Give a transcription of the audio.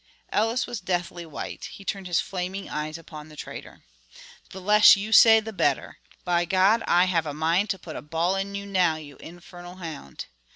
Ellis was deathly white; he turned his flaming eyes upon the trader: "The less you say, the better. By God! I have a mind to put a ball in you now, you infernal hound!"